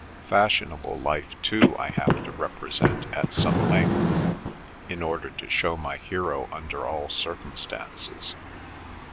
Fashionable life, too, I have to represent at some length, in order to show my hero under all circumstances.